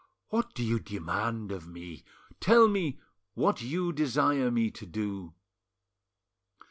What do you demand of me? Tell me what you desire me to do."